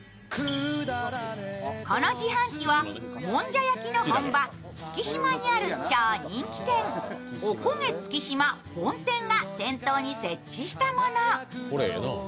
この自販機はもんじゃ焼きの本場、月島にある超人気店、おこげ月島本店が店頭に設置したもの。